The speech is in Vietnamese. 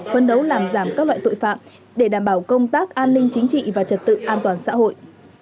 phân đấu làm giảm các loại tội phạm để đảm bảo công tác an ninh chính trị và trật tự an toàn xã hội